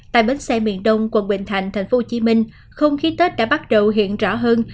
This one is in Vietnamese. tại bến xe miền đông quận bình thạnh tp hcm không khí tết đã bắt đầu hiện rõ hơn